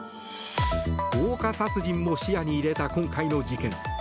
放火殺人も視野に入れた今回の事件。